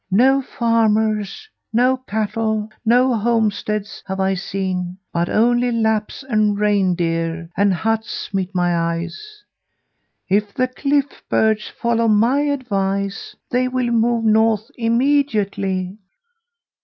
No farmers nor cattle nor homesteads have I seen, but only Lapps and reindeer and huts met my eyes. If the cliff birds follow my advice, they will move north immediately.'